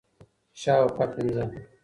شاوخوا پنځه